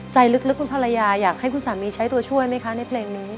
ใจลึกคุณภรรยาอยากให้คุณสามีใช้ตัวช่วยไหมคะในเพลงนี้